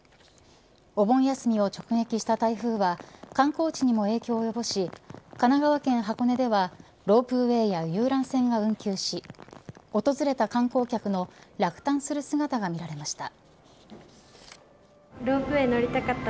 お盆休みを直撃した台風は観光地にも影響を及ぼし神奈川県箱根ではロープウエーや遊覧船が運休し訪れた観光客の落胆する姿が見られました。